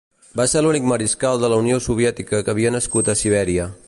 Va ser l'únic mariscal de la Unió Soviètica que havia nascut a Sibèria.